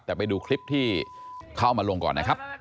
แต่ไปดูคลิปที่เขาเอามาลงก่อนนะครับ